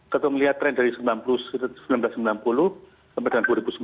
kalau melihat tren dari seribu sembilan ratus sembilan puluh sampai dengan dua ribu sembilan belas